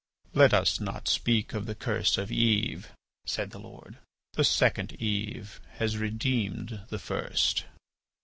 "Let us not speak of the curse of Eve," said the Lord. "The second Eve has redeemed the first."